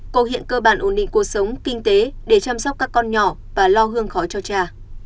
cô hiện cơ bản ổn định cuộc sống kinh tế để chăm sóc các con nhỏ và lo hương khói cho cha